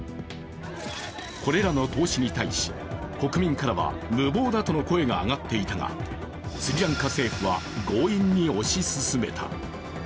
これらの投資に対し、国民からは無謀だとの声が上がっていたが、スリランカ政府は強引に推し進めた。